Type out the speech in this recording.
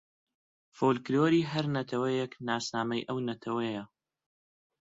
فۆلکلۆری هەر نەتەوەیێک ناسنامەی ئەو نەتەوەیە